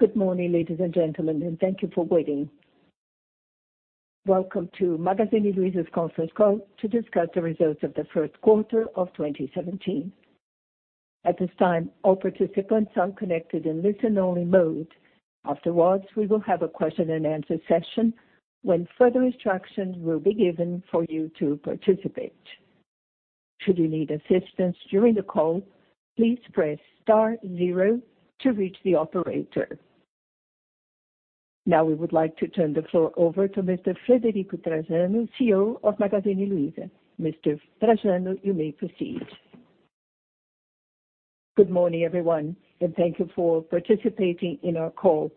Good morning, ladies and gentlemen, and thank you for waiting. Welcome to Magazine Luiza's conference call to discuss the results of the first quarter of 2017. At this time, all participants are connected in listen-only mode. Afterwards, we will have a question-and-answer session, when further instructions will be given for you to participate. Should you need assistance during the call, please press star zero to reach the operator. Now we would like to turn the floor over to Mr. Frederico Trajano, CEO of Magazine Luiza. Mr. Trajano, you may proceed. Good morning, everyone, and thank you for participating in our call.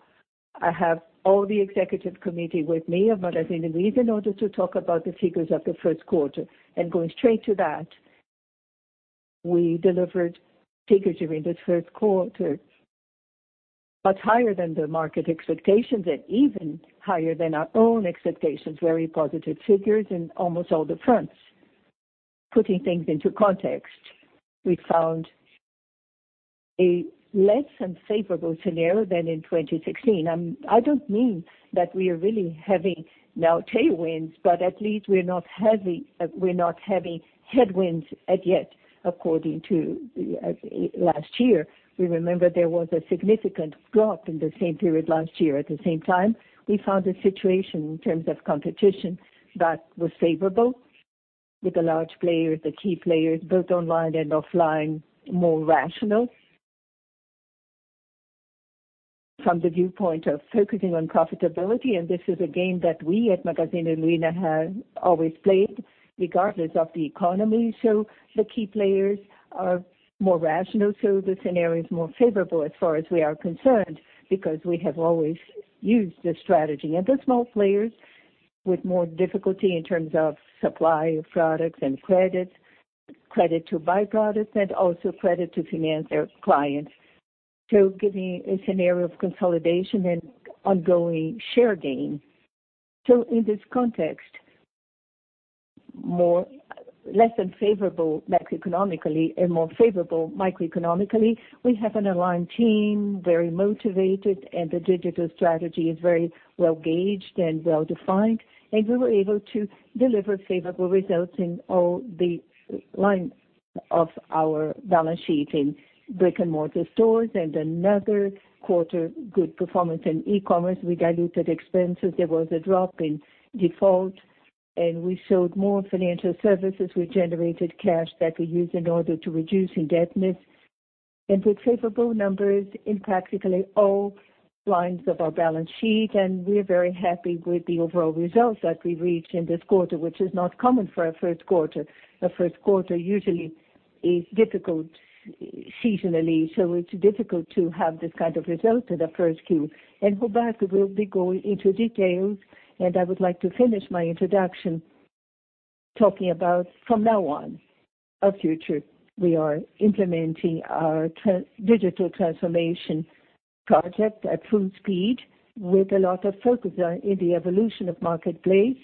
I have all the executive committee with me of Magazine Luiza in order to talk about the figures of the first quarter. Going straight to that, we delivered figures during the first quarter, much higher than the market expectations and even higher than our own expectations. Very positive figures in almost all the fronts. Putting things into context, we found a less unfavorable scenario than in 2016. I don't mean that we are really having now tailwinds, but at least we're not having headwinds as yet according to last year. We remember there was a significant drop in the same period last year. At the same time, we found a situation in terms of competition that was favorable with the large players, the key players, both online and offline, more rational. From the viewpoint of focusing on profitability, this is a game that we at Magazine Luiza have always played regardless of the economy. The key players are more rational, the scenario is more favorable as far as we are concerned, because we have always used this strategy. The small players with more difficulty in terms of supply of products and credit to buy products, and also credit to finance their clients. Giving a scenario of consolidation and ongoing share gain. In this context, less than favorable macroeconomically and more favorable microeconomically, we have an aligned team, very motivated, and the digital strategy is very well gauged and well-defined, and we were able to deliver favorable results in all the lines of our balance sheet in brick-and-mortar stores and another quarter good performance in e-commerce. We diluted expenses. There was a drop in default, we sold more financial services. We generated cash that we used in order to reduce indebtedness and with favorable numbers in practically all lines of our balance sheet. We are very happy with the overall results that we reached in this quarter, which is not common for a first quarter. A first quarter usually is difficult seasonally, so it's difficult to have this kind of result in the first Q. Roberto will be going into details. I would like to finish my introduction talking about from now on, our future. We are implementing our digital transformation project at full speed with a lot of focus on the evolution of marketplace,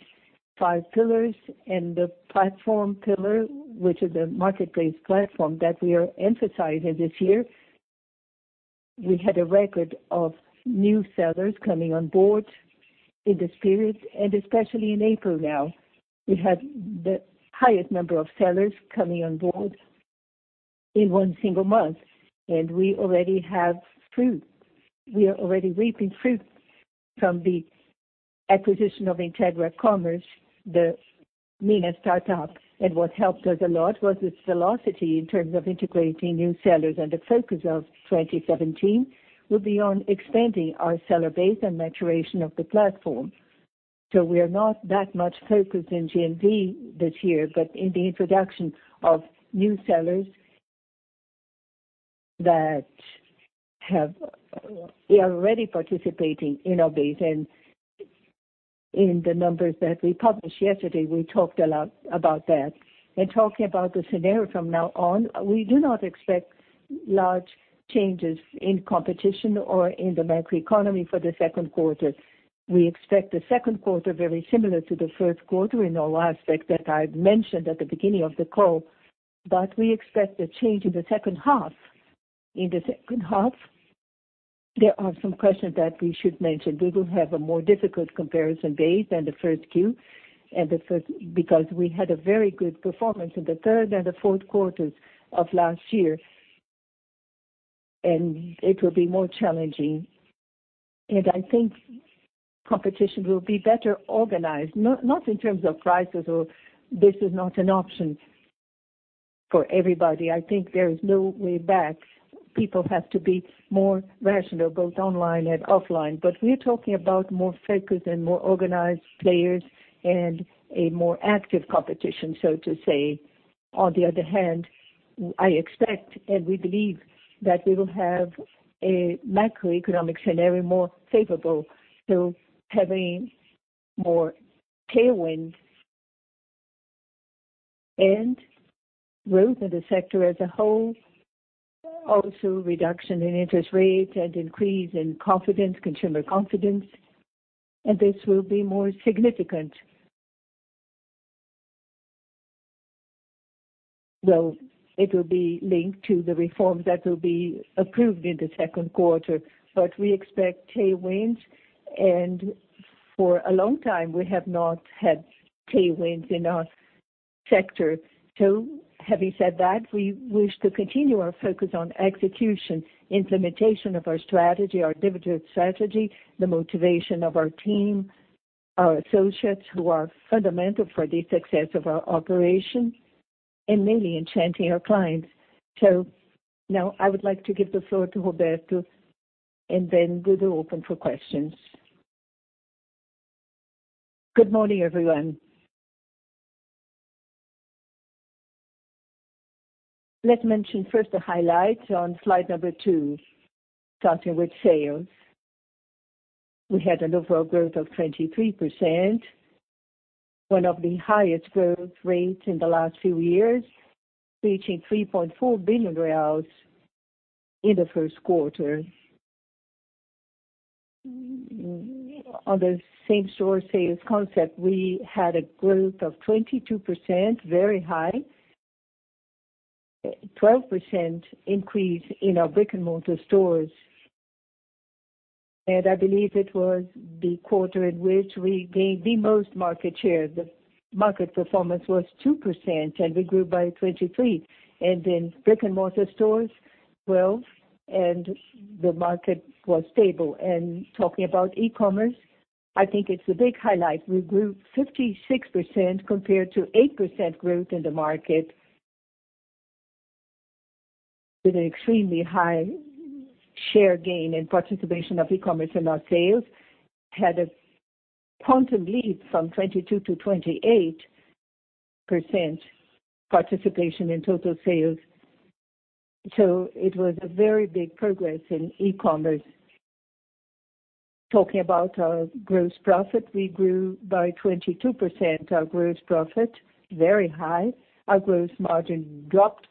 five pillars and the platform pillar, which is a marketplace platform that we are emphasizing this year. We had a record of new sellers coming on board in this period and especially in April now. We had the highest number of sellers coming on board in one single month. We are already reaping fruit from the acquisition of Integra Commerce, the Minas startup. What helped us a lot was its velocity in terms of integrating new sellers. The focus of 2017 will be on expanding our seller base and maturation of the platform. We are not that much focused in GMV this year, but in the introduction of new sellers that are already participating in our base and in the numbers that we published yesterday, we talked a lot about that. Talking about the scenario from now on, we do not expect large changes in competition or in the macroeconomy for the second quarter. We expect the second quarter very similar to the first quarter in all aspects that I've mentioned at the beginning of the call. We expect a change in the second half. In the second half, there are some questions that we should mention. We will have a more difficult comparison base than the first Q, because we had a very good performance in the third and the fourth quarters of last year, and it will be more challenging. I think competition will be better organized, not in terms of prices or this is not an option for everybody. I think there is no way back. People have to be more rational, both online and offline. We are talking about more focused and more organized players and a more active competition, so to say. On the other hand, I expect, and we believe that we will have a macroeconomic scenario more favorable. Having more tailwinds and growth in the sector as a whole. Also reduction in interest rates and increase in confidence, consumer confidence. This will be more significant. It will be linked to the reforms that will be approved in the second quarter. We expect tailwinds, and for a long time we have not had tailwinds in our sector. Having said that, we wish to continue our focus on execution, implementation of our strategy, our dividend strategy, the motivation of our team, our associates who are fundamental for the success of our operations, and mainly enchanting our clients. Now, I would like to give the floor to Roberto, and then we will open for questions. Good morning, everyone. Let's mention first the highlights on slide number two, starting with sales. We had an overall growth of 23%, one of the highest growth rates in the last few years, reaching 3.4 billion reais in the first quarter. On the same-store sales concept, we had a growth of 22%, very high. 12% increase in our brick-and-mortar stores. I believe it was the quarter in which we gained the most market share. The market performance was 2%, and we grew by 23%. In brick-and-mortar stores, 12%, and the market was stable. Talking about e-commerce, I think it's the big highlight. We grew 56% compared to 8% growth in the market with an extremely high share gain and participation of e-commerce in our sales. Had a quantum leap from 22% to 28% participation in total sales. It was a very big progress in e-commerce. Talking about our gross profit, we grew by 22%, our gross profit, very high. Our gross margin dropped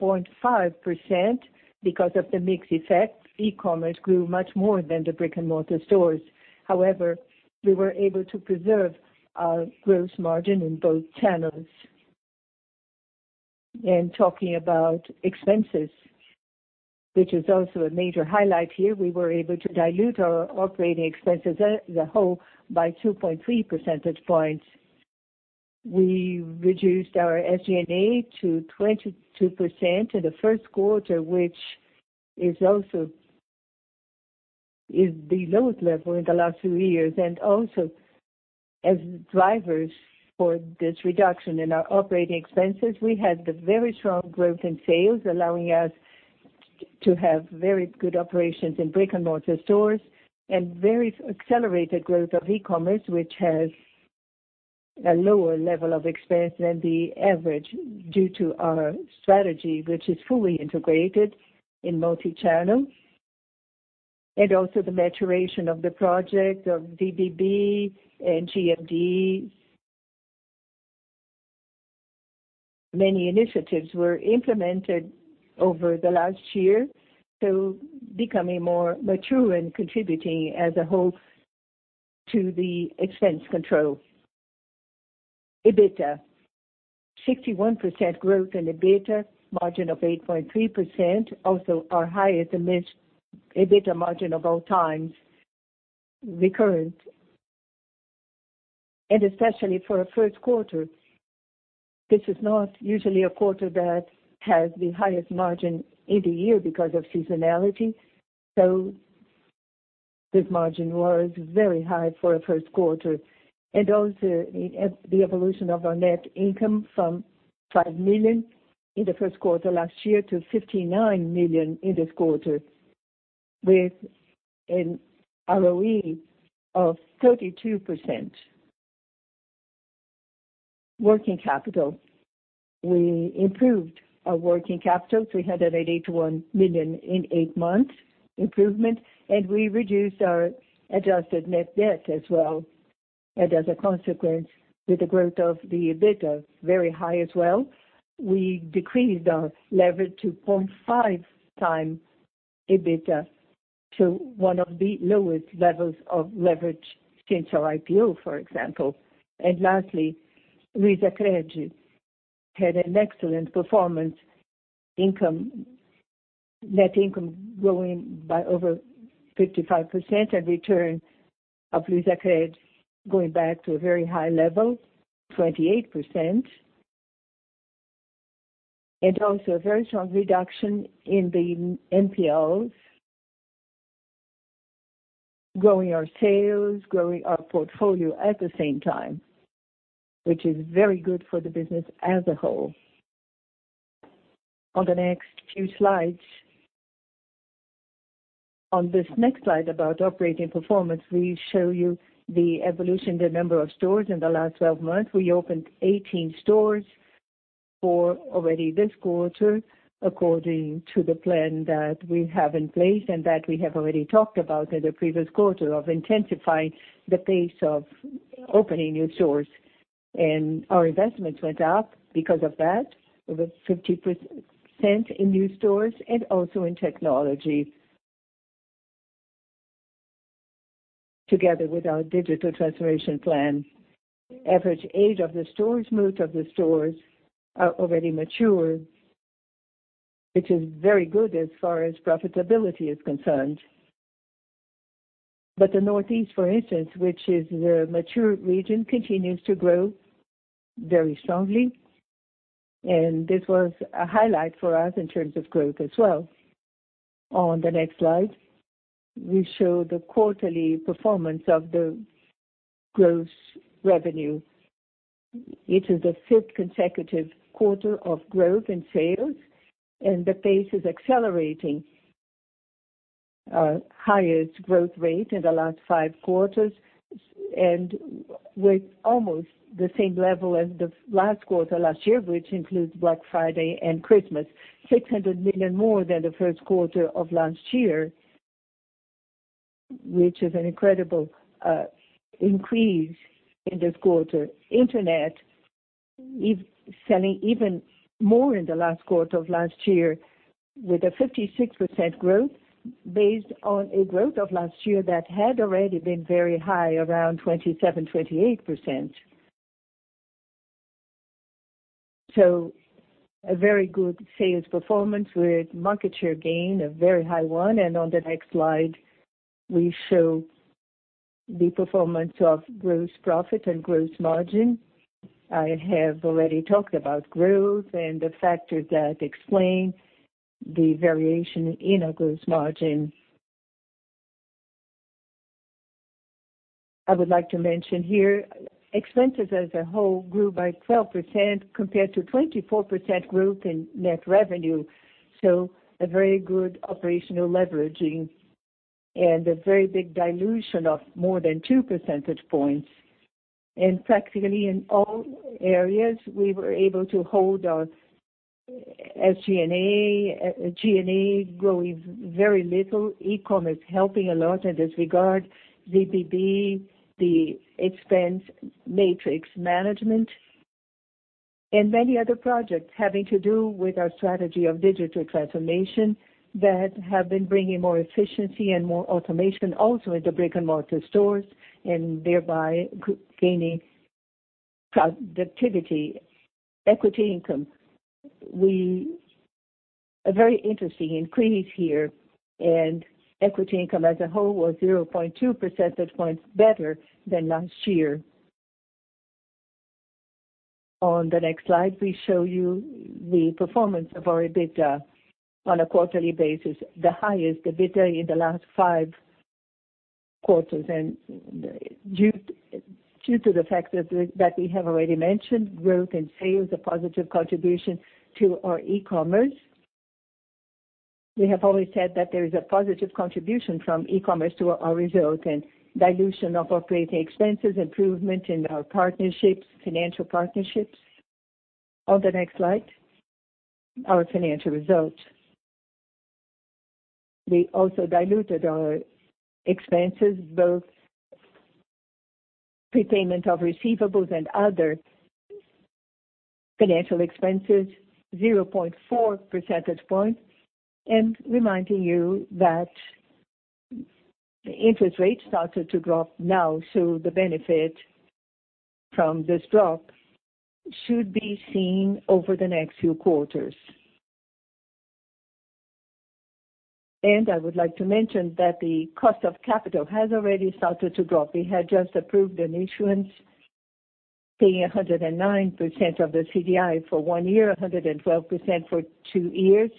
0.5% because of the mix effect. E-commerce grew much more than the brick-and-mortar stores. However, we were able to preserve our gross margin in both channels. Talking about expenses, which is also a major highlight here. We were able to dilute our operating expenses as a whole by 2.3 percentage points. We reduced our SG&A to 22% in the first quarter, which is the lowest level in the last few years. Also, as drivers for this reduction in our operating expenses, we had the very strong growth in sales allowing us to have very good operations in brick-and-mortar stores and very accelerated growth of e-commerce, which has a lower level of expense than the average due to our strategy, which is fully integrated in multi-channel. Also the maturation of the project of VBB and GMD. Many initiatives were implemented over the last year, so becoming more mature and contributing as a whole to the expense control. EBITDA. 61% growth in EBITDA, margin of 8.3%, also our highest EBITDA margin of all times, the current. Especially for a first quarter, this is not usually a quarter that has the highest margin in the year because of seasonality. This margin was very high for a first quarter. Also, the evolution of our net income from 5 million in the first quarter last year to 59 million in this quarter, with an ROE of 32%. Working capital. We improved our working capital 381 million in eight months improvement, and we reduced our adjusted net debt as well. As a consequence, with the growth of the EBITDA, very high as well, we decreased our leverage to 0.5 times EBITDA to one of the lowest levels of leverage since our IPO, for example. Lastly, Luizacred had an excellent performance. Net income growing by over 55% and return of Luizacred going back to a very high level, 28%. Also a very strong reduction in the NPLs. Growing our sales, growing our portfolio at the same time, which is very good for the business as a whole. On the next few slides. On this next slide about operating performance, we show you the evolution, the number of stores in the last 12 months. We opened 18 stores for already this quarter according to the plan that we have in place and that we have already talked about in the previous quarter of intensifying the pace of opening new stores. Our investments went up because of that. It was 50% in new stores and also in technology. Together with our digital transformation plan. Average age of the stores, most of the stores are already mature, which is very good as far as profitability is concerned. The Northeast, for instance, which is the mature region, continues to grow very strongly, and this was a highlight for us in terms of growth as well. On the next slide, we show the quarterly performance of the gross revenue. It is the fifth consecutive quarter of growth in sales, and the pace is accelerating. Highest growth rate in the last five quarters, and with almost the same level as the last quarter last year, which includes Black Friday and Christmas. 600 million more than the first quarter of last year, which is an incredible increase in this quarter. Internet is selling even more in the last quarter of last year with a 56% growth based on a growth of last year that had already been very high, around 27%-28%. A very good sales performance with market share gain, a very high one. On the next slide, we show the performance of gross profit and gross margin. I have already talked about growth and the factors that explain the variation in our gross margin. I would like to mention here, expenses as a whole grew by 12% compared to 24% growth in net revenue. A very good operational leveraging and a very big dilution of more than two percentage points. Practically in all areas, we were able to hold our SG&A, G&A growing very little, e-commerce helping a lot in this regard, ZBB, the expense matrix management. Many other projects having to do with our strategy of digital transformation that have been bringing more efficiency and more automation also in the brick-and-mortar stores, thereby gaining productivity. Equity income. A very interesting increase here. Equity income as a whole was 0.2 percentage points better than last year. On the next slide, we show you the performance of our EBITDA on a quarterly basis, the highest EBITDA in the last five quarters, due to the fact that we have already mentioned growth and sales, a positive contribution to our e-commerce. We have always said that there is a positive contribution from e-commerce to our result and dilution of operating expenses, improvement in our partnerships, financial partnerships. On the next slide, our financial results. We also diluted our expenses, both prepayment of receivables and other financial expenses, 0.4 percentage points. Reminding you that interest rates started to drop now, the benefit from this drop should be seen over the next few quarters. I would like to mention that the cost of capital has already started to drop. We had just approved an issuance paying 109% of the CDI for one year, 112% for two years.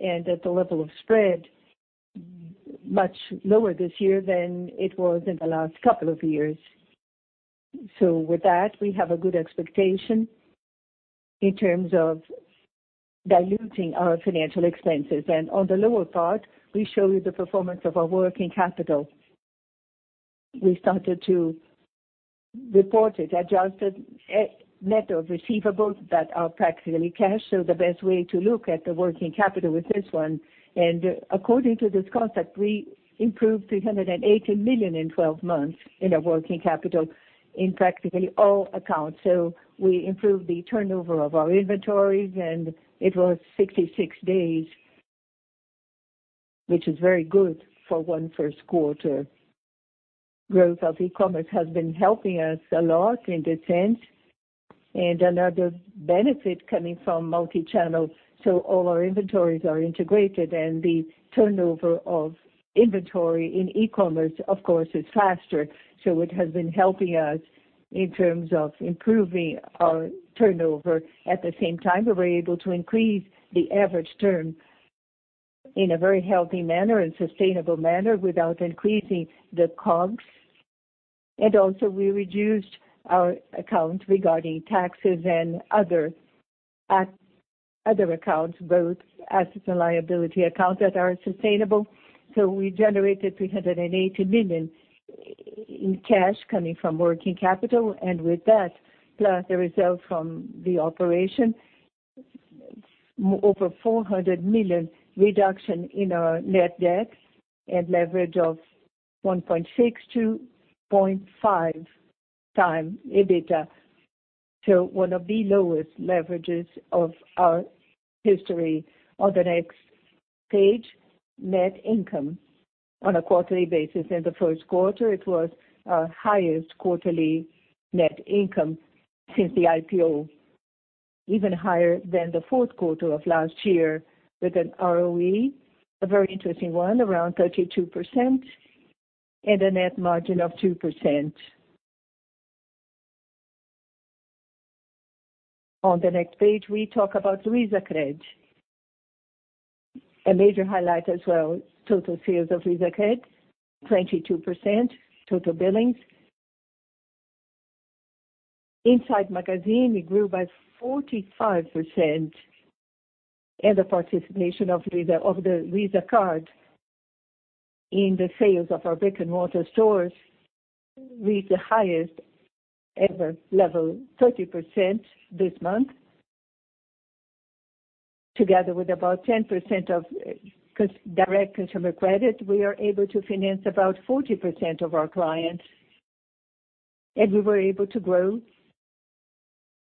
At the level of spread, much lower this year than it was in the last couple of years. With that, we have a good expectation in terms of diluting our financial expenses. On the lower part, we show you the performance of our working capital. We started to report it adjusted net of receivables that are practically cash, the best way to look at the working capital was this one. According to this concept, we improved 380 million in 12 months in our working capital in practically all accounts. We improved the turnover of our inventories, it was 66 days, which is very good for one first quarter. Growth of e-commerce has been helping us a lot in that sense. Another benefit coming from multi-channel, all our inventories are integrated and the turnover of inventory in e-commerce, of course, is faster. It has been helping us in terms of improving our turnover. At the same time, we were able to increase the average term in a very healthy manner and sustainable manner without increasing the COGS. Also we reduced our account regarding taxes and other accounts, both assets and liability accounts that are sustainable. We generated 380 million in cash coming from working capital. With that, plus the results from the operation, 400 million reduction in our net debt and leverage of 1.6x to 0.5x EBITDA. One of the lowest leverages of our history. On the next page, net income on a quarterly basis. In the first quarter, it was our highest quarterly net income since the IPO, even higher than the fourth quarter of last year, with an ROE, a very interesting one, around 32%, and a net margin of 2%. On the next page, we talk about Luizacred, a major highlight as well. Total sales of Luizacred, 22%, total billings. Inside Magazine, it grew by 45%. The participation of the Luiza Card in the sales of our brick-and-mortar stores reached the highest ever level, 30% this month. Together with about 10% of direct consumer credit, we are able to finance about 40% of our clients. We were able to grow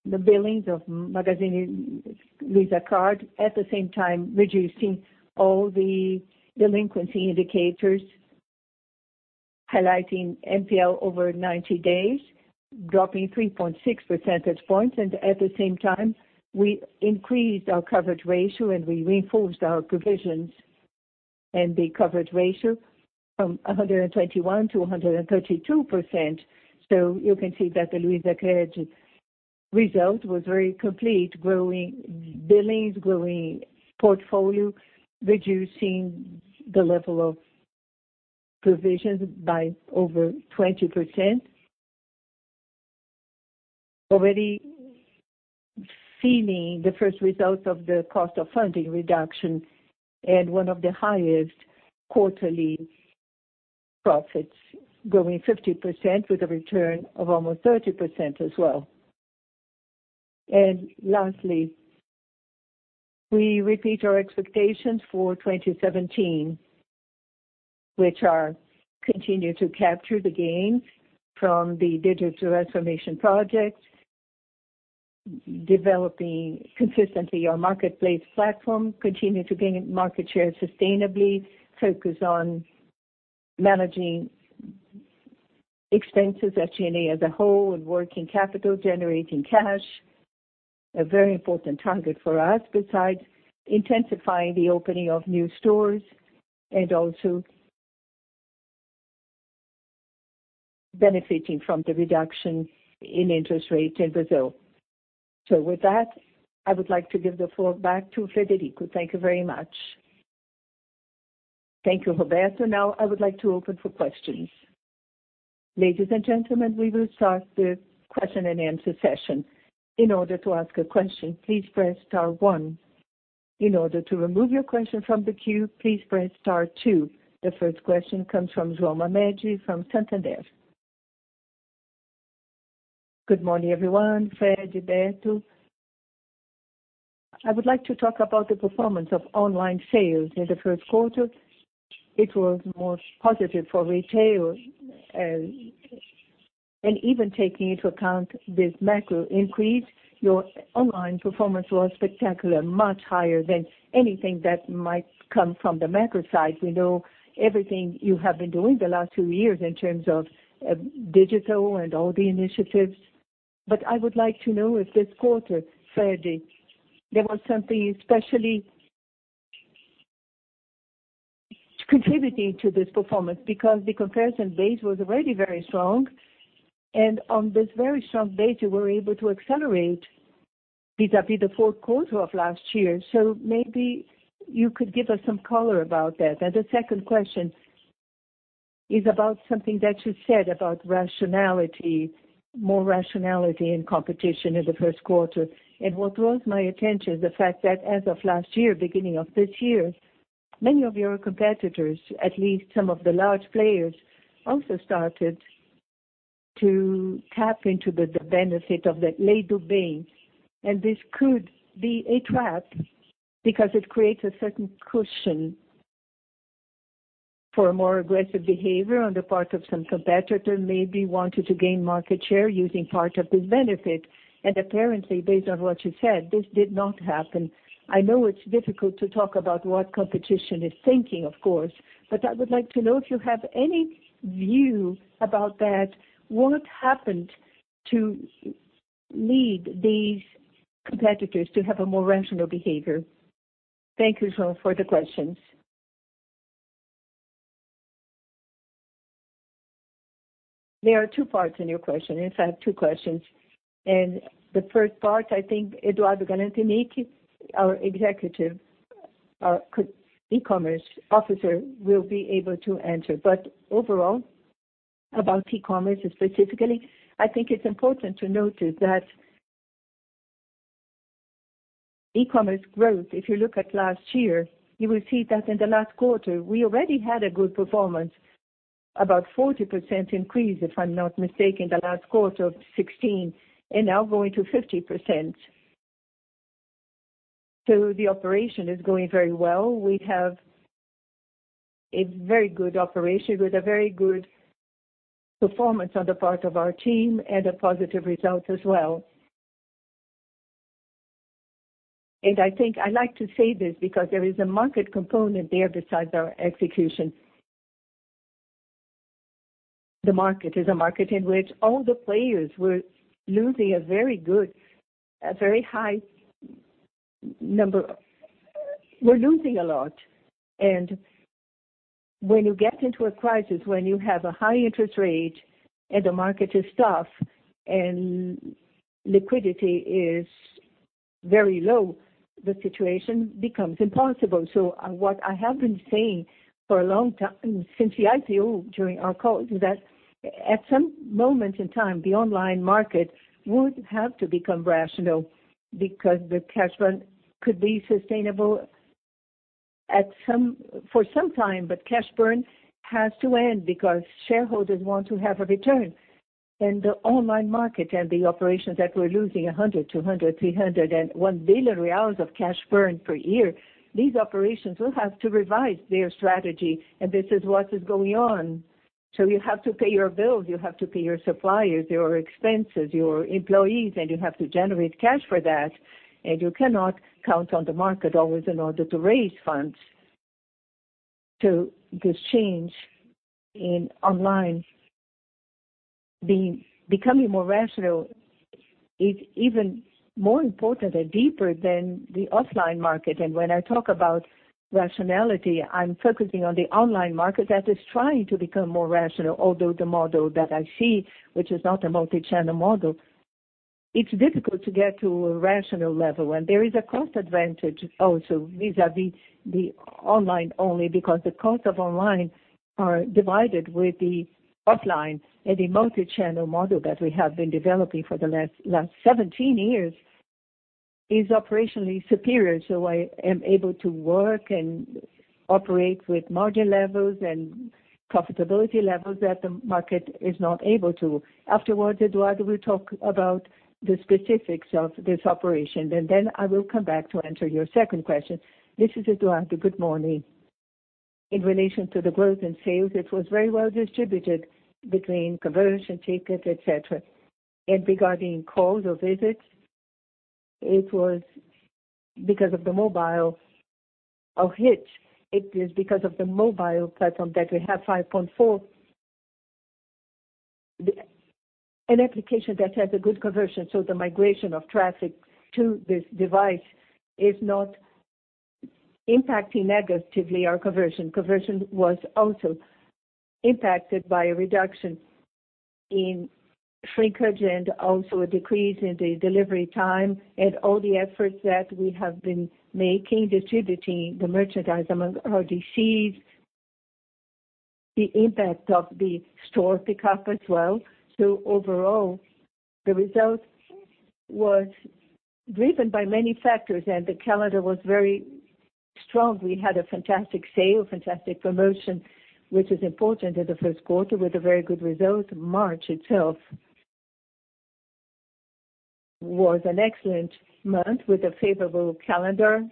the billings of Magazine Luiza Card, at the same time reducing all the delinquency indicators, highlighting NPL over 90 days, dropping 3.6 percentage points. At the same time, we increased our coverage ratio, we reinforced our provisions and the coverage ratio from 121%-132%. You can see that the Luizacred result was very complete, growing billings, growing portfolio, reducing the level of provisions by over 20%. Already seeing the first results of the cost of funding reduction and one of the highest quarterly profits, growing 50% with a return of almost 30% as well. Lastly, we repeat our expectations for 2017, which are continue to capture the gains from the digital transformation project, developing consistently our marketplace platform, continue to gain market share sustainably, focus on managing expenses at G&A as a whole and working capital, generating cash, a very important target for us, besides intensifying the opening of new stores and also benefiting from the reduction in interest rates in Brazil. With that, I would like to give the floor back to Frederico. Thank you very much. Thank you, Roberto. Now, I would like to open for questions. Ladies and gentlemen, we will start the question and answer session. In order to ask a question, please press star one. In order to remove your question from the queue, please press star two. The first question comes from João Mamede from Santander. Good morning, everyone. Fred, Roberto. I would like to talk about the performance of online sales in the first quarter. It was more positive for retail. Even taking into account this macro increase, your online performance was spectacular, much higher than anything that might come from the macro side. We know everything you have been doing the last two years in terms of digital and all the initiatives. I would like to know if this quarter, Fred, there was something especially contributing to this performance, because the comparison base was already very strong. On this very strong base, you were able to accelerate vis-à-vis the fourth quarter of last year. Maybe you could give us some color about that. The second question is about something that you said about rationality, more rationality, and competition in the first quarter. What draws my attention is the fact that as of last year, beginning of this year, many of your competitors, at least some of the large players, also started to tap into the benefit of that. This could be a trap because it creates a certain cushion for more aggressive behavior on the part of some competitor maybe wanting to gain market share using part of this benefit. Apparently, based on what you said, this did not happen. I know it's difficult to talk about what competition is thinking, of course, but I would like to know if you have any view about that. What happened to lead these competitors to have a more rational behavior? Thank you, João, for the questions. There are two parts in your question. In fact, two questions. The first part, I think Eduardo Galanternick, our executive, our E-commerce Officer will be able to answer. But overall, about E-commerce specifically, I think it's important to notice that E-commerce growth, if you look at last year, you will see that in the last quarter, we already had a good performance, about 40% increase, if I'm not mistaken, the last quarter of 2016, and now going to 50%. The operation is going very well. We have a very good operation with a very good performance on the part of our team and a positive result as well. I think I like to say this because there is a market component there besides our execution. The market is a market in which all the players were losing a lot. When you get into a crisis, when you have a high interest rate and the market is tough and liquidity is very low, the situation becomes impossible. What I have been saying for a long time, since the IPO, during our calls, is that at some moment in time, the online market would have to become rational because the cash burn could be sustainable for some time, but cash burn has to end because shareholders want to have a return. The online market and the operations that were losing 100, 200, 300 and 1 billion reais of cash burn per year, these operations will have to revise their strategy and this is what is going on. You have to pay your bills, you have to pay your suppliers, your expenses, your employees and you have to generate cash for that, and you cannot count on the market always in order to raise funds. This change in online becoming more rational is even more important and deeper than the offline market. When I talk about rationality, I'm focusing on the online market that is trying to become more rational. Although the model that I see, which is not a multi-channel model, it's difficult to get to a rational level. There is a cost advantage also vis-à-vis the online only because the cost of online are divided with the offline and the multi-channel model that we have been developing for the last 17 years is operationally superior. I am able to work and operate with margin levels and profitability levels that the market is not able to. Afterwards, Eduardo will talk about the specifics of this operation, then I will come back to answer your second question. This is Eduardo. Good morning. In relation to the growth in sales, it was very well distributed between conversion, ticket, et cetera. Regarding calls or visits, it was because of the mobile. Hits. It is because of the mobile platform that we have 5.4. An application that has a good conversion, so the migration of traffic to this device is not impacting negatively our conversion. Conversion was also impacted by a reduction in shrinkage and also a decrease in the delivery time and all the efforts that we have been making distributing the merchandise among our DCs. The impact of the store pickup as well. Overall, the result was driven by many factors and the calendar was very strong. We had a fantastic sale, fantastic promotion, which is important in the first quarter with a very good result. March itself was an excellent month with a favorable calendar,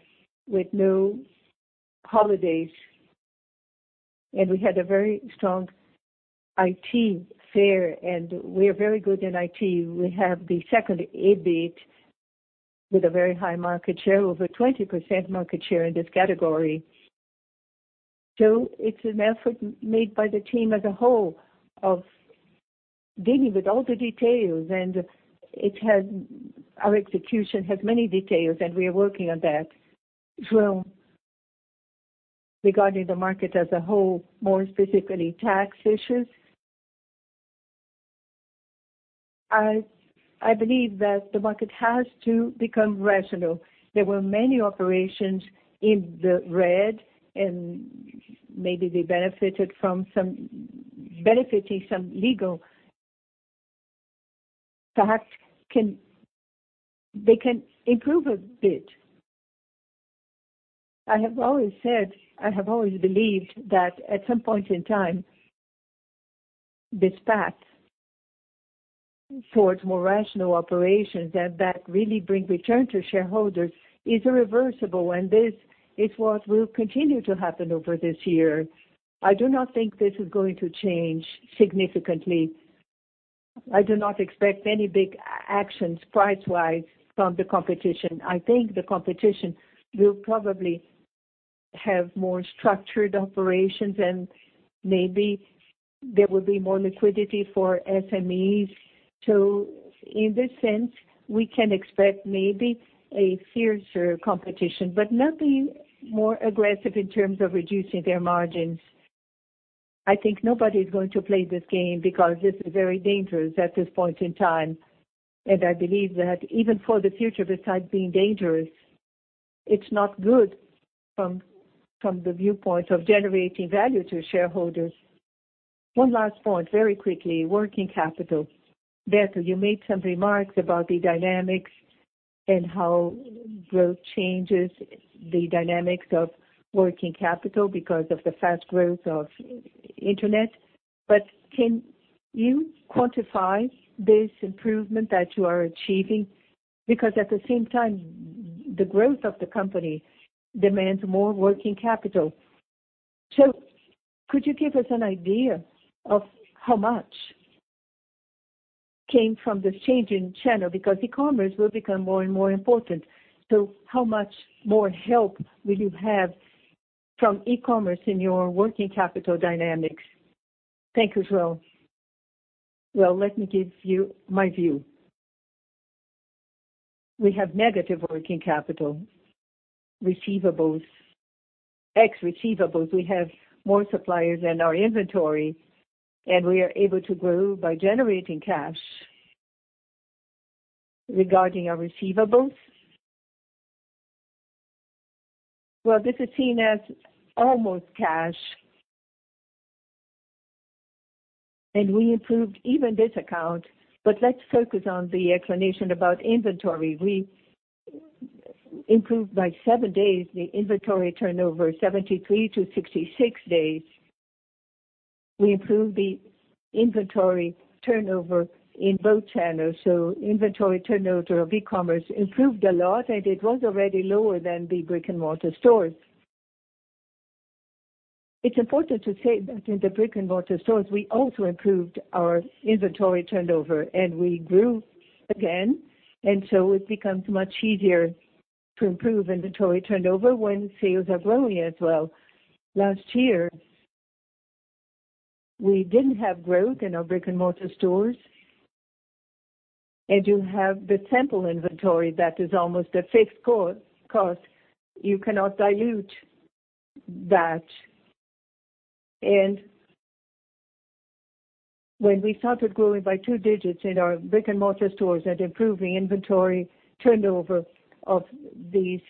with no holidays. We had a very strong IT fair and we are very good in IT. We have the second Ebit with a very high market share, over 20% market share in this category. It's an effort made by the team as a whole of dealing with all the details and our execution has many details and we are working on that. João. Regarding the market as a whole, more specifically tax issues. I believe that the market has to become rational. There were many operations in the red and maybe they benefited from some legal Perhaps they can improve a bit. I have always said, I have always believed that at some point in time, this path towards more rational operations and that really bring return to shareholders is irreversible and this is what will continue to happen over this year. I do not think this is going to change significantly. I do not expect any big actions price-wise from the competition. I think the competition will probably have more structured operations and maybe there will be more liquidity for SMEs. In this sense, we can expect maybe a fiercer competition, but nothing more aggressive in terms of reducing their margins. I think nobody's going to play this game because this is very dangerous at this point in time and I believe that even for the future, besides being dangerous, it's not good from the viewpoint of generating value to shareholders. One last point very quickly, working capital. Beto, you made some remarks about the dynamics and how growth changes the dynamics of working capital because of the fast growth of internet. Can you quantify this improvement that you are achieving? Because at the same time, the growth of the company demands more working capital. Could you give us an idea of how much came from this change in channel? Because e-commerce will become more and more important. How much more help will you have from e-commerce in your working capital dynamics? Thank you, João. Well, let me give you my view. We have negative working capital receivables. Ex-receivables, we have more suppliers than our inventory, and we are able to grow by generating cash. Regarding our receivables, this is seen as almost cash, and we improved even this account. Let's focus on the explanation about inventory. We improved by seven days the inventory turnover, 73 to 66 days. We improved the inventory turnover in both channels. Inventory turnover of e-commerce improved a lot, and it was already lower than the brick-and-mortar stores. It's important to say that in the brick-and-mortar stores, we also improved our inventory turnover, and we grew again. It becomes much easier to improve inventory turnover when sales are growing as well. Last year, we didn't have growth in our brick-and-mortar stores. You have the sample inventory that is almost a fixed cost. You cannot dilute that. When we started growing by two digits in our brick-and-mortar stores and improving inventory turnover of these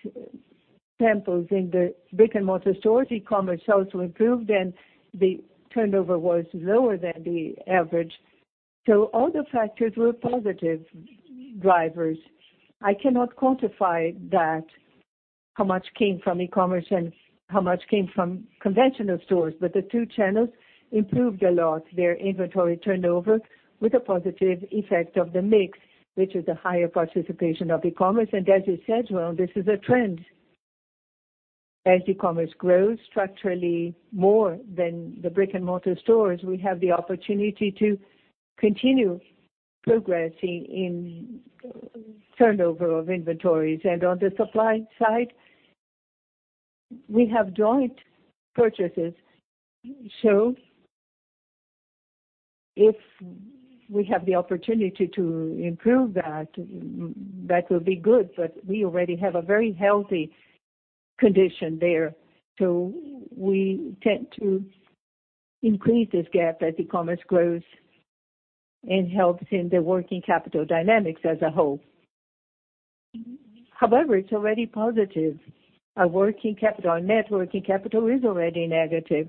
temples in the brick-and-mortar stores, e-commerce also improved, and the turnover was lower than the average. All the factors were positive drivers. I cannot quantify that, how much came from e-commerce and how much came from conventional stores. The two channels improved a lot their inventory turnover with a positive effect of the mix, which is a higher participation of e-commerce. As you said, João, this is a trend. As e-commerce grows structurally more than the brick-and-mortar stores, we have the opportunity to continue progressing in turnover of inventories. On the supply side, we have joint purchases. If we have the opportunity to improve that will be good. We already have a very healthy condition there. We tend to increase this gap as e-commerce grows and helps in the working capital dynamics as a whole. However, it's already positive. Our working capital and net working capital is already negative.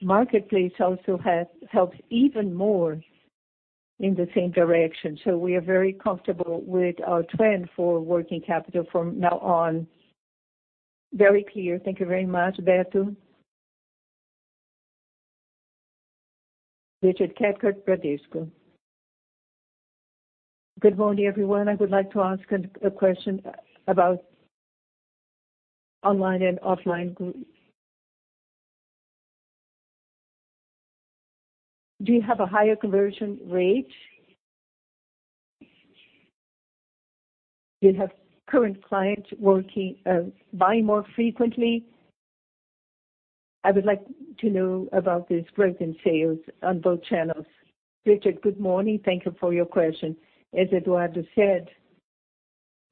Marketplace also helps even more in the same direction. We are very comfortable with our trend for working capital from now on. Very clear. Thank you very much, Beto. Richard Cathcart, Bradesco. Good morning, everyone. I would like to ask a question about online and offline group. Do you have a higher conversion rate? Do you have current clients buying more frequently? I would like to know about this growth in sales on both channels. Richard, good morning. Thank you for your question. As Eduardo said,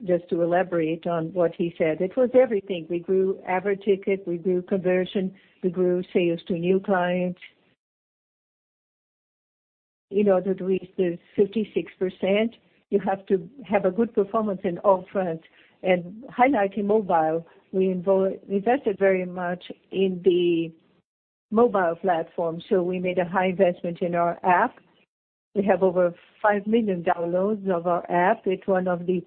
just to elaborate on what he said, it was everything. We grew average ticket, we grew conversion, we grew sales to new clients. In order to reach the 56%, you have to have a good performance in all fronts. Highlighting mobile, we invested very much in the mobile platform. We made a high investment in our app. We have over 5 million downloads of our app. It's one of the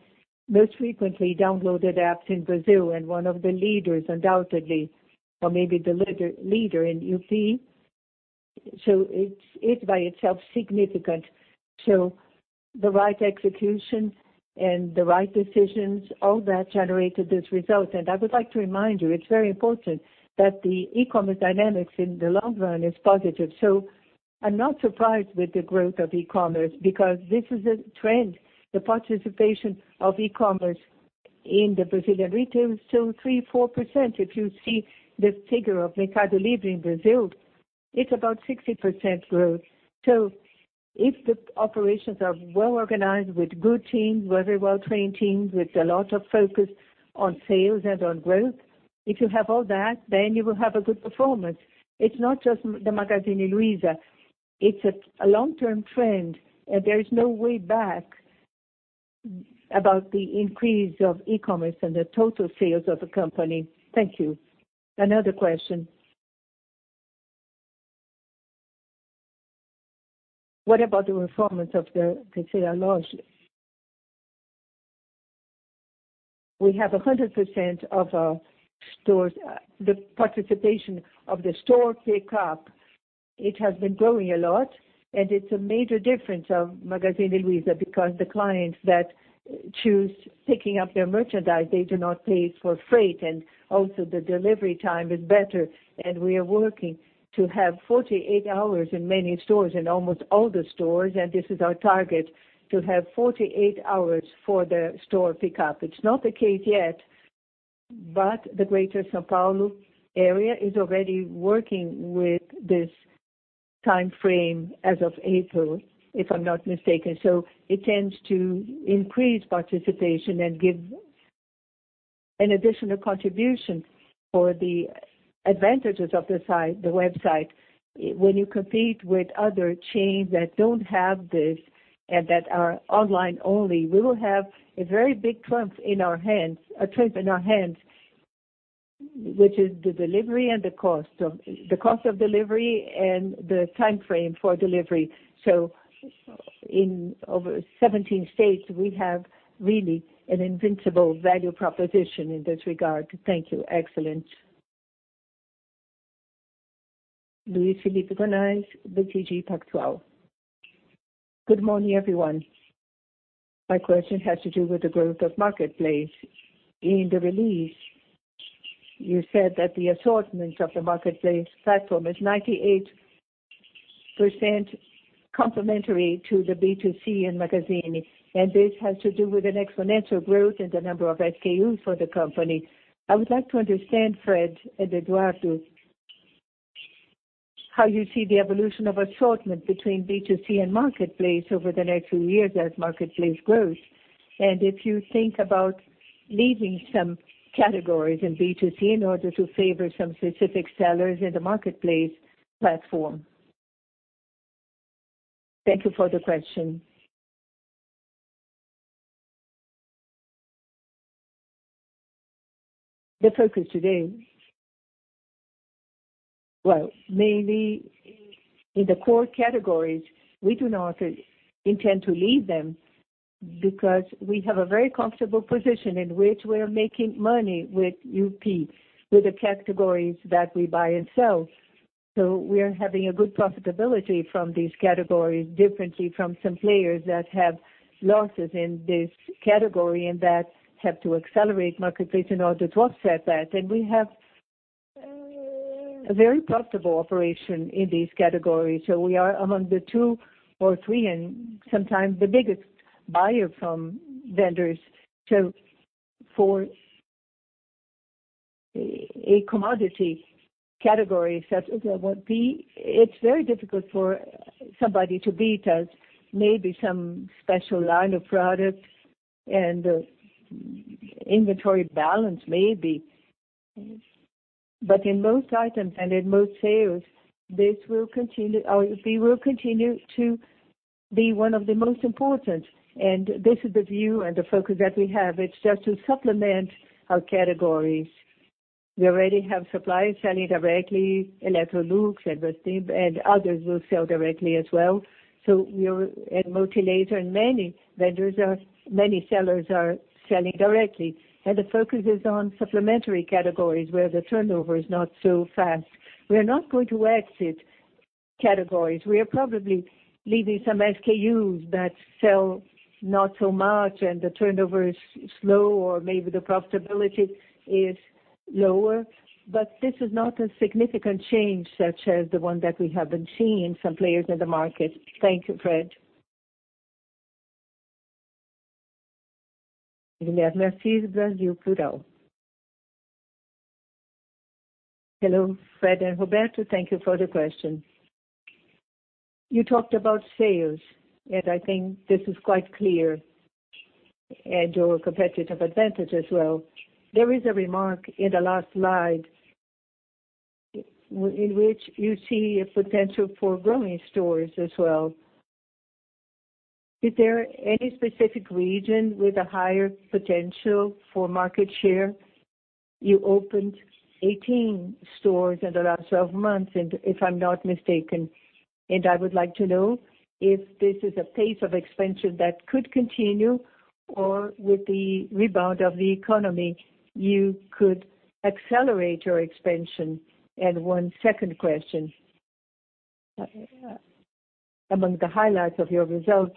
most frequently downloaded apps in Brazil and one of the leaders, undoubtedly, or maybe the leader in UP. It's by itself significant. The right execution and the right decisions, all that generated this result. I would like to remind you, it's very important that the e-commerce dynamics in the long run is positive. I'm not surprised with the growth of e-commerce, because this is a trend. The participation of e-commerce in the Brazilian retail is still 3%, 4%. If you see the figure of Mercado Livre in Brazil, it's about 60% growth. If the operations are well organized with good teams, very well-trained teams, with a lot of focus on sales and on growth, if you have all that, then you will have a good performance. It's not just the Magazine Luiza. It's a long-term trend, there is no way back about the increase of e-commerce and the total sales of a company. Thank you. Another question. What about the performance of the C&A launch? We have 100% of our stores. The participation of the store pickup, it has been growing a lot, and it's a major difference of Magazine Luiza because the clients that choose picking up their merchandise, they do not pay for freight, and also the delivery time is better. We are working to have 48 hours in many stores, in almost all the stores, and this is our target, to have 48 hours for the store pickup. It's not the case yet. The greater São Paulo area is already working with this timeframe as of April, if I'm not mistaken. It tends to increase participation and give an additional contribution for the advantages of the website. When you compete with other chains that don't have this and that are online only, we will have a very big trump in our hands, which is the delivery and the cost of delivery and the timeframe for delivery. In over 17 states, we have really an invincible value proposition in this regard. Thank you. Excellent. Luiz Felipe Gonçalves with BTG Pactual. Good morning, everyone. My question has to do with the growth of marketplace. In the release, you said that the assortment of the marketplace platform is 98% complementary to the B2C and Magazine, and this has to do with an exponential growth in the number of SKUs for the company. I would like to understand, Fred and Eduardo, how you see the evolution of assortment between B2C and marketplace over the next few years as marketplace grows, and if you think about leaving some categories in B2C in order to favor some specific sellers in the marketplace platform. Thank you for the question. The focus today, well, maybe in the core categories, we do not intend to leave them because we have a very comfortable position in which we are making money with 1P, with the categories that we buy and sell. We are having a good profitability from these categories differently from some players that have losses in this category and that have to accelerate marketplace in order to offset that. We have a very profitable operation in these categories. We are among the two or three and sometimes the biggest buyer from vendors. For a commodity category such as 1P, it's very difficult for somebody to beat us, maybe some special line of products and inventory balance, maybe. In most items and in most sales, we will continue to be one of the most important, and this is the view and the focus that we have. It's just to supplement our categories. We already have suppliers selling directly, Electrolux and others will sell directly as well. We are at Multilaser and many sellers are selling directly, and the focus is on supplementary categories where the turnover is not so fast. We are not going to exit categories. We are probably leaving some SKUs that sell not so much and the turnover is slow or maybe the profitability is lower. This is not a significant change such as the one that we have been seeing in some players in the market. Thank you, Fred. Guilherme Siqueira, Brasil Plural. Hello, Fred and Roberto. Thank you for the question. You talked about sales, and I think this is quite clear, and your competitive advantage as well. There is a remark in the last slide in which you see a potential for growing stores as well. Is there any specific region with a higher potential for market share? You opened 18 stores in the last 12 months, if I'm not mistaken, and I would like to know if this is a pace of expansion that could continue or with the rebound of the economy, you could accelerate your expansion. One second question. Among the highlights of your results,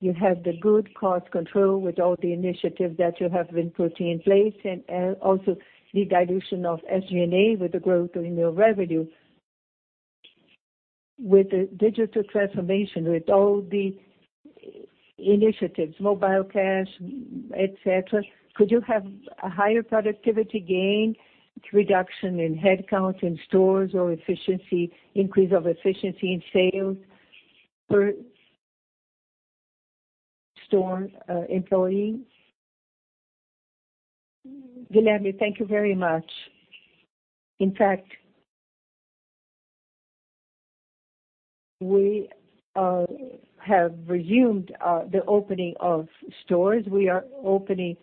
you have the good cost control with all the initiatives that you have been putting in place and also the dilution of SG&A with the growth in your revenue. With the digital transformation, with all the initiatives, mobile cash, et cetera, could you have a higher productivity gain, reduction in headcount in stores or increase of efficiency in sales per store employee? Guilherme, thank you very much. In fact, we have resumed the opening of stores. We opened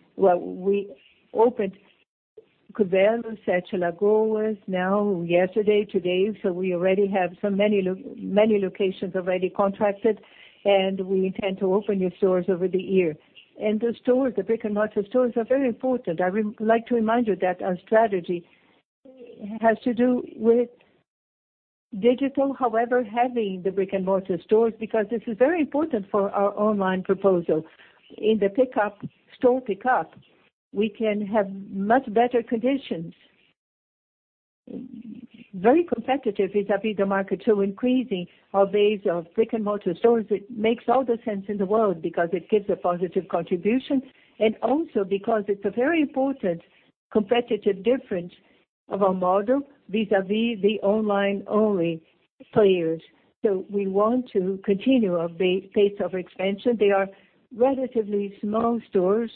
Curvelo, Sete Lagoas now, yesterday, today. We already have many locations already contracted, and we intend to open new stores over the year. The stores, the brick-and-mortar stores are very important. I would like to remind you that our strategy has to do with digital, however, having the brick-and-mortar stores, because this is very important for our online proposal. In the store pickup, we can have much better conditions, very competitive vis-a-vis the market. Increasing our base of brick-and-mortar stores, it makes all the sense in the world because it gives a positive contribution and also because it's a very important competitive difference of our model vis-a-vis the online-only players. We want to continue our pace of expansion. They are relatively small stores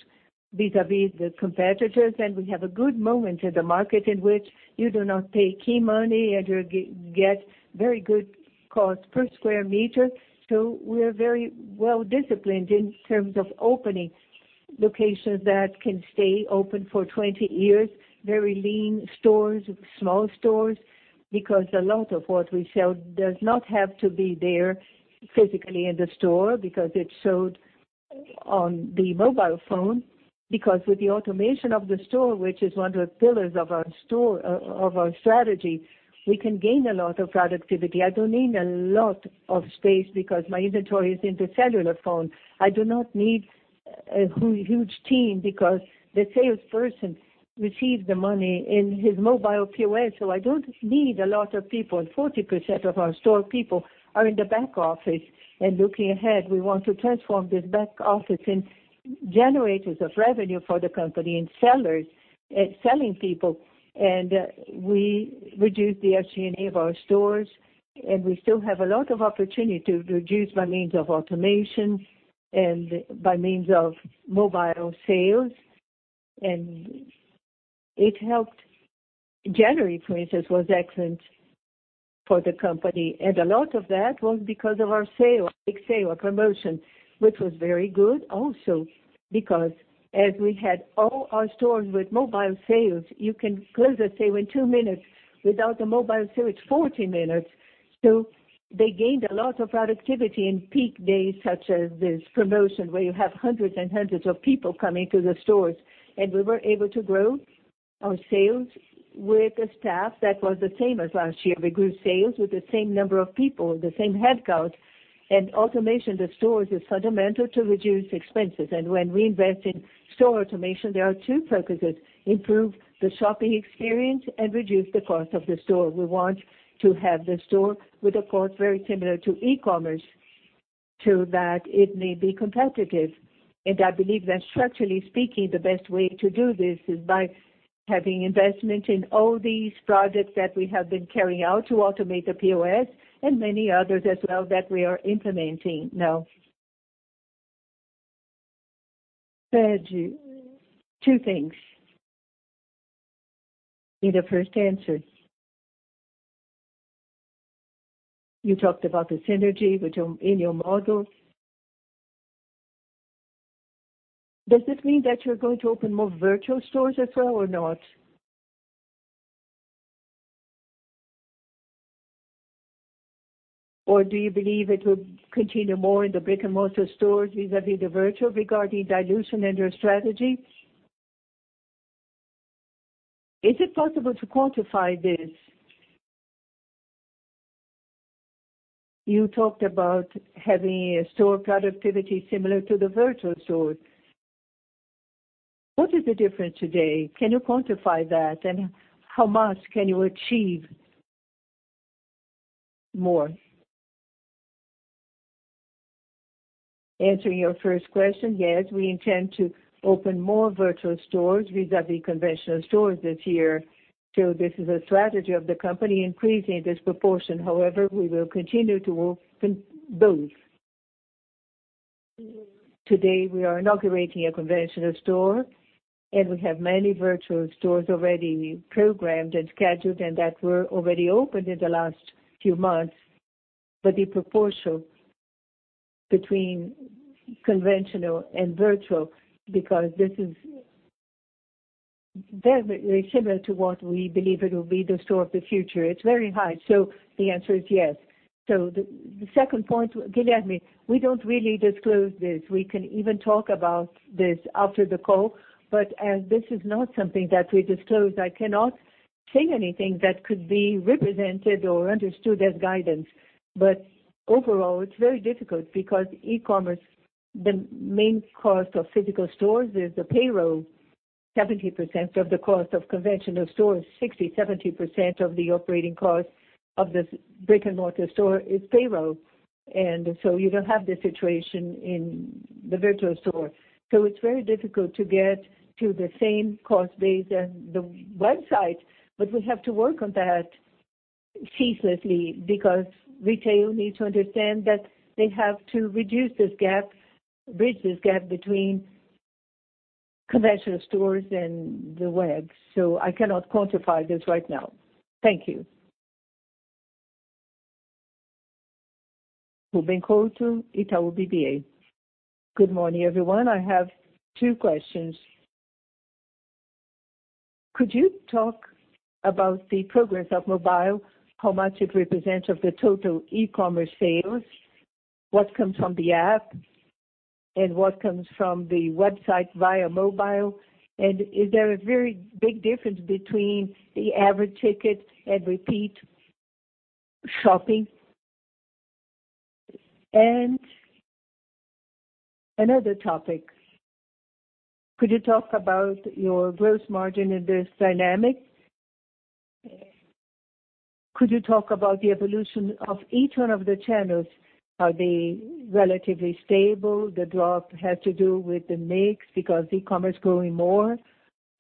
vis-a-vis the competitors, and we have a good moment in the market in which you do not pay key money, and you get very good cost per square meter. We are very well-disciplined in terms of opening locations that can stay open for 20 years, very lean stores, small stores, because a lot of what we sell does not have to be there physically in the store because it's sold on the mobile phone. With the automation of the store, which is one of the pillars of our strategy, we can gain a lot of productivity. I don't need a lot of space because my inventory is in the cellular phone. I do not need a huge team because the salesperson receives the money in his mobile POS, I don't need a lot of people. 40% of our store people are in the back office. Looking ahead, we want to transform this back office in generators of revenue for the company and selling people. We reduced the SG&A of our stores, and we still have a lot of opportunity to reduce by means of automation and by means of mobile sales. It helped. January, for instance, was excellent for the company, a lot of that was because of our big sale or promotion, which was very good also, because as we had all our stores with mobile sales, you can close a sale in two minutes. Without the mobile sale, it's 40 minutes. They gained a lot of productivity in peak days, such as this promotion, where you have hundreds and hundreds of people coming to the stores. We were able to grow our sales with the staff that was the same as last year. We grew sales with the same number of people, the same headcount. Automation of the stores is fundamental to reduce expenses. When we invest in store automation, there are two purposes: improve the shopping experience and reduce the cost of the store. We want to have the store with a cost very similar to e-commerce so that it may be competitive. I believe that structurally speaking, the best way to do this is by having investment in all these projects that we have been carrying out to automate the POS and many others as well that we are implementing now. two things. In the first answer, you talked about the synergy in your model. Does this mean that you're going to open more virtual stores as well or not? Do you believe it will continue more in the brick-and-mortar stores vis-a-vis the virtual regarding dilution and your strategy? Is it possible to quantify this? You talked about having a store productivity similar to the virtual store. What is the difference today? Can you quantify that? How much can you achieve more? Answering your first question, yes, we intend to open more virtual stores vis-a-vis conventional stores this year. This is a strategy of the company increasing this proportion. However, we will continue to open both. Today we are inaugurating a conventional store, we have many virtual stores already programmed and scheduled and that were already opened in the last few months. The proportion between conventional and virtual, because this is very similar to what we believe it will be the store of the future. It's very high. The answer is yes. The second point, Guilherme, we don't really disclose this. We can even talk about this after the call, but as this is not something that we disclose, I cannot say anything that could be represented or understood as guidance. Overall, it's very difficult because e-commerce, the main cost of physical stores is the payroll. 70% of the cost of conventional stores, 60, 70% of the operating cost of this brick-and-mortar store is payroll. You don't have this situation in the virtual store. It's very difficult to get to the same cost base as the website, but we have to work on that ceaselessly because retail needs to understand that they have to reduce this gap, bridge this gap between conventional stores and the web. I cannot quantify this right now. Thank you. Ruben Couto, Itaú BBA. Good morning, everyone. I have two questions. Could you talk about the progress of mobile, how much it represents of the total e-commerce sales, what comes from the app, and what comes from the website via mobile? Is there a very big difference between the average ticket and repeat shopping? Another topic. Could you talk about your gross margin and its dynamic? Could you talk about the evolution of each one of the channels? Are they relatively stable? The drop had to do with the mix because e-commerce growing more,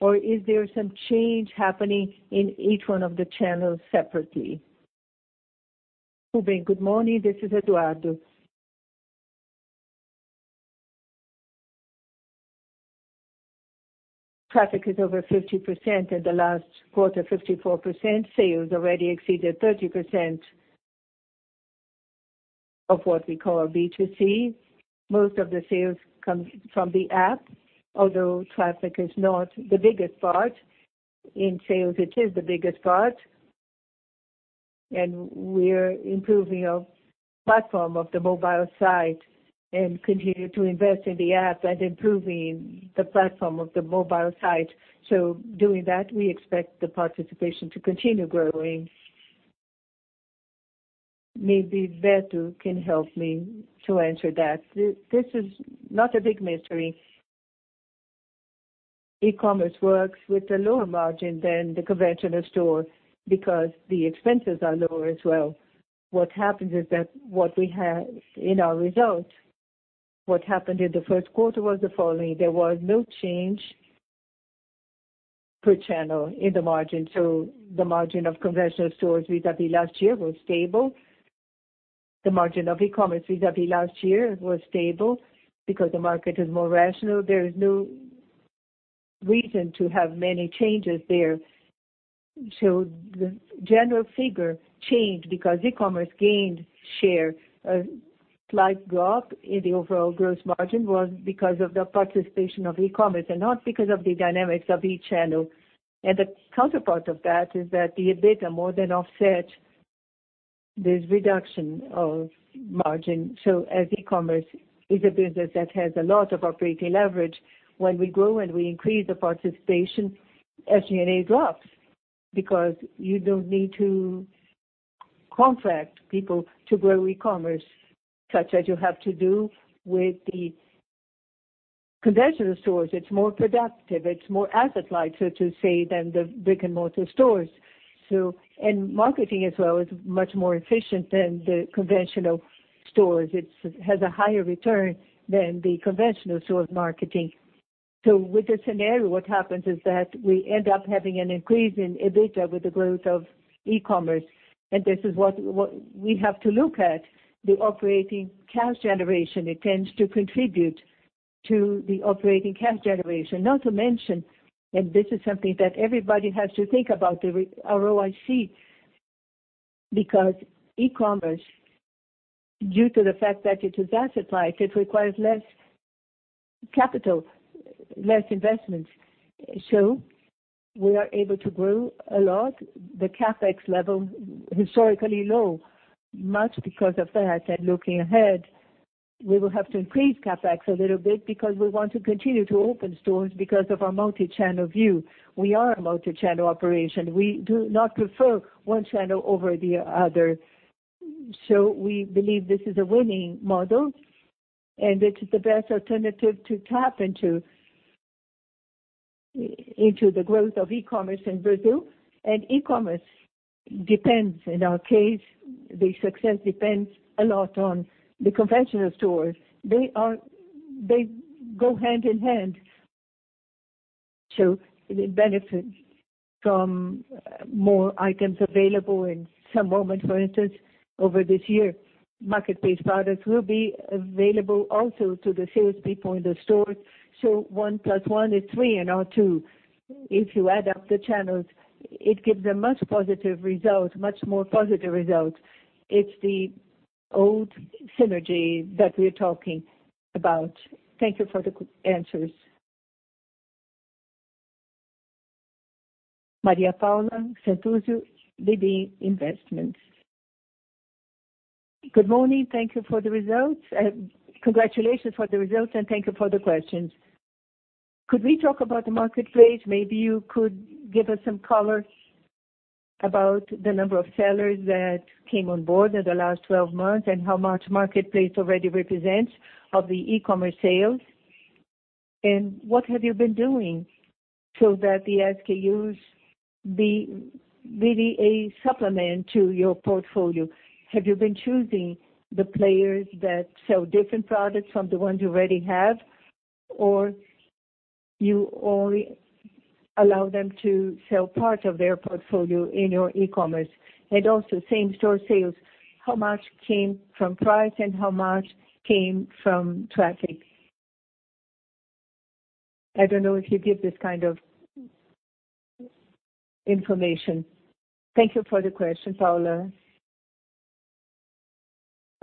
or is there some change happening in each one of the channels separately? Ruben, good morning, this is Eduardo. Traffic is over 50% in the last quarter, 54% sales already exceeded 30% of what we call B2C. Most of the sales comes from the app, although traffic is not the biggest part. In sales, it is the biggest part. We're improving our platform of the mobile site and continue to invest in the app and improving the platform of the mobile site. Doing that, we expect the participation to continue growing. Maybe Beto can help me to answer that. This is not a big mystery. E-commerce works with a lower margin than the conventional store because the expenses are lower as well. What happens is that what we have in our result, what happened in the first quarter was the following, there was no change per channel in the margin. The margin of conventional stores vis-à-vis last year was stable. The margin of e-commerce vis-à-vis last year was stable. The market is more rational, there is no reason to have many changes there. The general figure changed because e-commerce gained share. A slight drop in the overall gross margin was because of the participation of e-commerce and not because of the dynamics of each channel. The counterpart of that is that the EBITDA more than offset this reduction of margin. As e-commerce is a business that has a lot of operating leverage, when we grow and we increase the participation, SG&A drops because you don't need to contract people to grow e-commerce such as you have to do with the conventional stores. It's more productive, it's more asset-light, so to say, than the brick-and-mortar stores. Marketing as well is much more efficient than the conventional stores. It has a higher return than the conventional stores marketing. With this scenario, what happens is that we end up having an increase in EBITDA with the growth of e-commerce. This is what we have to look at, the operating cash generation. It tends to contribute to the operating cash generation. Not to mention, this is something that everybody has to think about, the ROIC, because e-commerce, due to the fact that it is asset-light, it requires less capital, less investment. We are able to grow a lot. The CapEx level historically low, much because of that. Looking ahead, we will have to increase CapEx a little bit because we want to continue to open stores because of our multi-channel view. We are a multi-channel operation. We do not prefer one channel over the other. We believe this is a winning model, and it's the best alternative to tap into the growth of e-commerce in Brazil. E-commerce depends, in our case, the success depends a lot on the conventional stores. They go hand in hand. It benefits from more items available. In some moment, for instance, over this year, marketplace products will be available also to the salespeople in the stores. One plus one is three in our two. If you add up the channels, it gives a much positive result, much more positive result. It's the old synergy that we're talking about. Thank you for the answers. Maria Paula Centurioni, BB Investimentos. Good morning. Thank you for the results. Congratulations for the results, and thank you for the questions. Could we talk about the marketplace? Maybe you could give us some color about the number of sellers that came on board in the last 12 months, and how much marketplace already represents of the e-commerce sales. What have you been doing so that the SKUs be really a supplement to your portfolio? Have you been choosing the players that sell different products from the ones you already have? Or you only allow them to sell part of their portfolio in your e-commerce? Same-store sales, how much came from price and how much came from traffic? I don't know if you give this kind of information. Thank you for the question, Paula.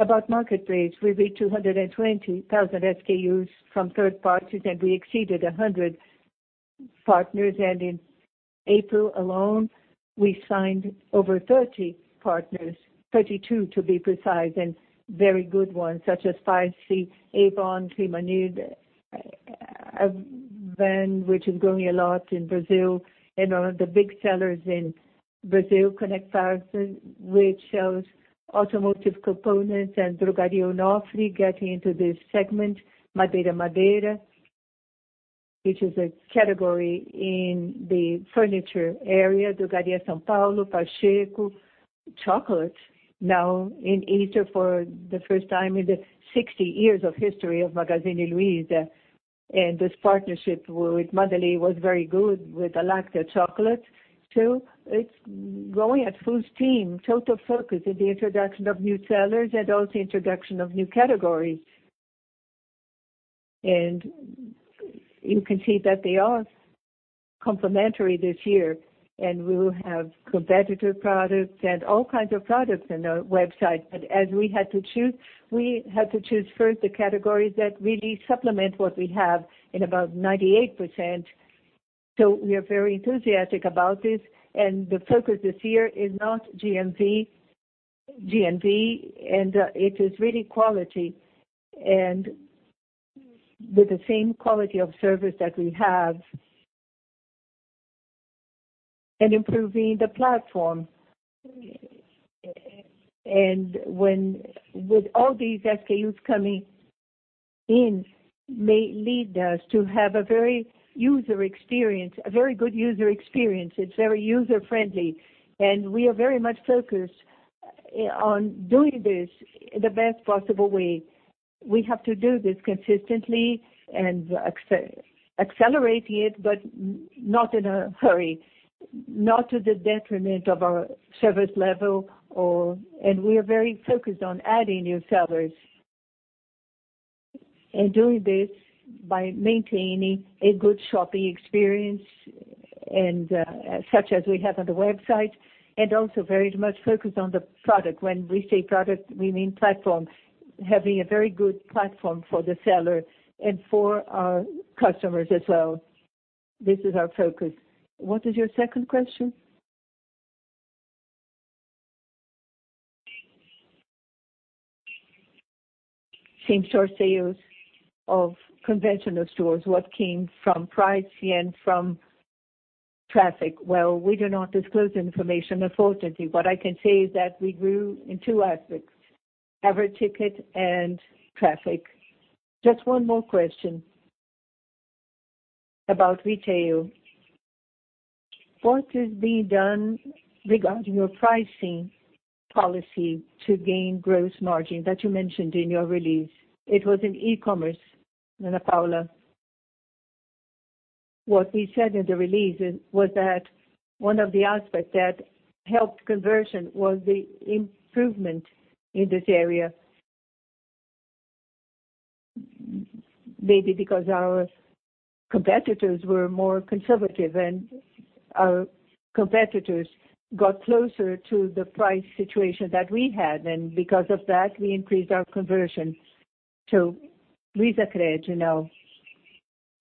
About marketplace, we reached 220,000 SKUs from third parties. We exceeded 100 partners. In April alone, we signed over 30 partners, 32 to be precise, and very good ones such as Spice, Avon, Clima Rio, Havan which is growing a lot in Brazil, and are the big sellers in Brazil. Connect Parts, which sells automotive components, and Drogaria Onofre getting into this segment. MadeiraMadeira, which is a category in the furniture area. Drogaria São Paulo, Pacheco. Chocolate, now in Easter for the first time in the 60 years of history of Magazine Luiza. This partnership with Magali was very good with the Lacta chocolate too. It's growing at full steam. Total focus in the introduction of new sellers and also introduction of new categories. You can see that they are complementary this year, and we will have competitor products and all kinds of products on our website. As we had to choose, we had to choose first the categories that really supplement what we have in about 98%. We are very enthusiastic about this, and the focus this year is not GMV, and it is really quality. With the same quality of service that we have, and improving the platform. With all these SKUs coming in may lead us to have a very good user experience. It's very user-friendly, and we are very much focused on doing this in the best possible way. We have to do this consistently and accelerating it, but not in a hurry, not to the detriment of our service level. We are very focused on adding new sellers and doing this by maintaining a good shopping experience such as we have on the website. Very much focused on the product. When we say product, we mean platform, having a very good platform for the seller and for our customers as well. This is our focus. What is your second question? Same store sales of conventional stores. What came from price and from traffic? We do not disclose information, unfortunately. What I can say is that we grew in two aspects, average ticket and traffic. Just one more question about retail. What is being done regarding your pricing policy to gain gross margin that you mentioned in your release? It was in e-commerce, Ana Paula. What we said in the release was that one of the aspects that helped conversion was the improvement in this area. Maybe because our competitors were more conservative, our competitors got closer to the price situation that we had. Because of that, we increased our conversion to Luizacred.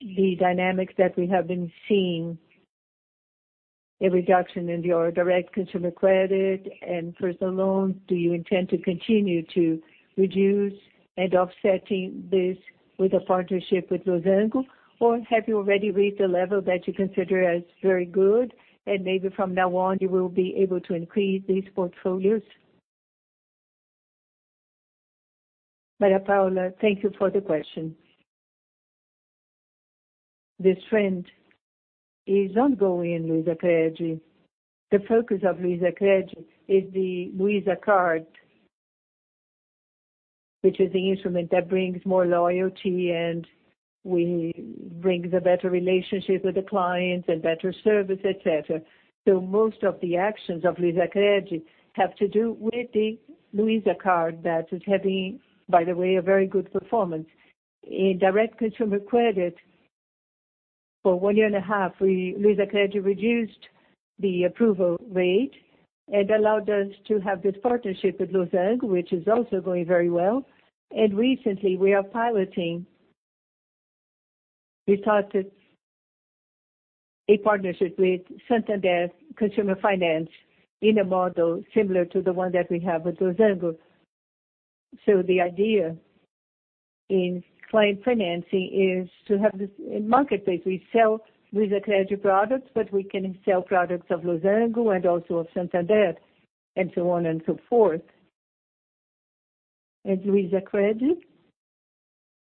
The dynamics that we have been seeing, a reduction in your direct consumer credit and personal loans. Do you intend to continue to reduce and offsetting this with a partnership with Losango? Have you already reached a level that you consider as very good, and maybe from now on, you will be able to increase these portfolios? Maria Paula, thank you for the question. This trend is ongoing in Luizacred. The focus of Luizacred is the Luiza Card, which is the instrument that brings more loyalty, and brings a better relationship with the clients and better service, et cetera. Most of the actions of Luizacred have to do with the Luiza Card that is having, by the way, a very good performance. In direct consumer credit, for one year and a half, Luizacred reduced the approval rate and allowed us to have this partnership with Losango, which is also going very well. Recently we are piloting, we started a partnership with Santander Consumer Finance in a model similar to the one that we have with Losango. The idea in client financing is to have this in marketplace. We sell Luizacred products, but we can sell products of Losango and also of Santander, and so on and so forth. Luizacred,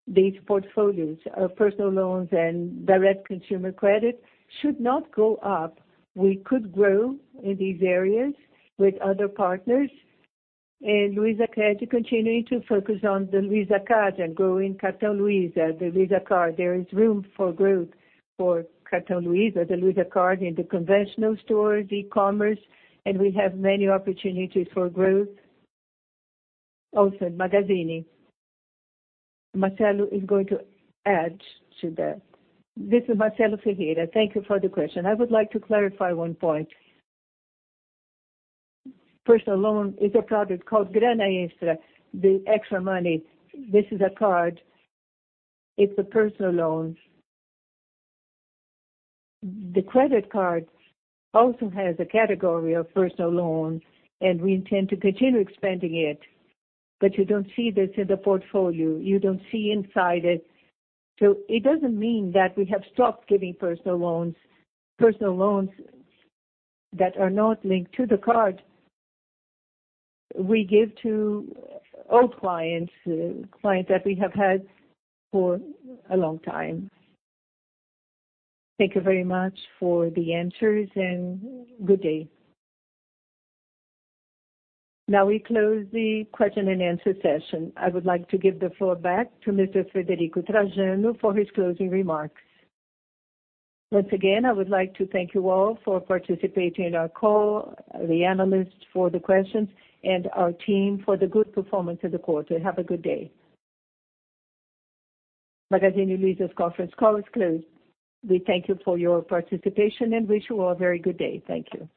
these portfolios of personal loans and direct consumer credit should not go up. We could grow in these areas with other partners. Luizacred continuing to focus on the Luiza Card and growing Cartão Luiza, the Luiza Card. There is room for growth for Cartão Luiza, the Luiza Card in the conventional stores, e-commerce, and we have many opportunities for growth. Also in Magazine, Marcelo Ferreira is going to add to that. This is Marcelo Ferreira. Thank you for the question. I would like to clarify one point. Personal loan is a product called Grana Extra, the extra money. This is a card. It's a personal loan. The credit card also has a category of personal loans, and we intend to continue expanding it. You don't see this in the portfolio. You don't see inside it. It doesn't mean that we have stopped giving personal loans that are not linked to the card. We give to old clients that we have had for a long time. Thank you very much for the answers. Good day. We close the question and answer session. I would like to give the floor back to Mr. Frederico Trajano for his closing remarks. Once again, I would like to thank you all for participating in our call, the analysts for the questions, and our team for the good performance of the quarter. Have a good day. Magazine Luiza's conference call is closed. We thank you for your participation and wish you all a very good day. Thank you.